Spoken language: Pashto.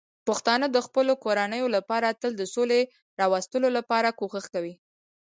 پښتانه د خپلو کورنیو لپاره تل د سولې راوستلو لپاره کوښښ کوي.